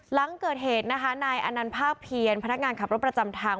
หลังเกิดเหตุนะคะนายอนันต์ภาคเพียรพนักงานขับรถประจำทาง